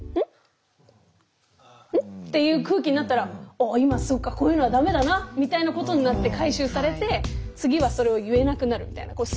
ん？っていう空気になったら今そうかこういうのは駄目だなみたいなことになって次はそれを言えなくなるみたいな。